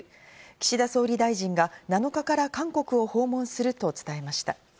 岸田総理大臣が７日から韓国を訪問すると伝えました。